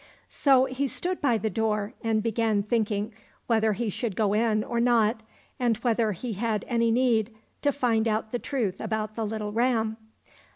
So he stood by the door and began thinking whether he should go in or not, and whether he had any need to find out the truth about the little ram.